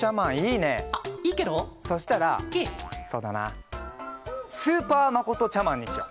そしたらそうだなスーパーまことちゃマンにしよう。